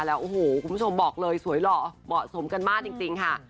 แล้วโอ้โหคุณผู้ชมบอกเลยสวยหล่อเหมาะสมกันมากจริงค่ะ